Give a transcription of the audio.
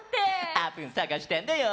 あーぷんさがしたんだよ。